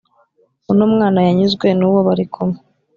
uno mwana yanyuzwe nuwo barikumwe